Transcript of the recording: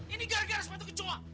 ini gara gara sepatu kecoa